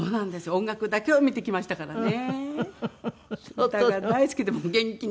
音楽だけを見てきましたからね。